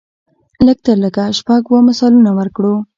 لږ تر لږه شپږ اووه مثالونه ورکړو.